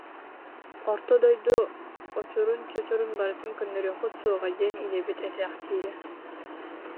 Орто дойду очурун-чочурун барытын көннөрүөххүт суоҕа диэн ийэбит этээхтиирэ